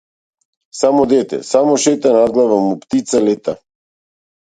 Само дете, само шета над глава му птица лета.